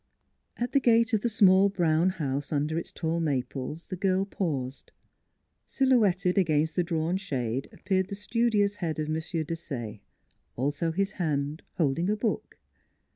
At the gate of the small brown house under its tall maples, the girl paused: silhouetted against the drawn shade appeared the studious head of M. Desaye; also his hand, holding a book.